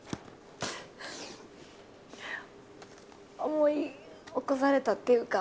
思い起こされたっていうか。